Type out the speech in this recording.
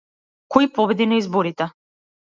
Кој победи на изборите?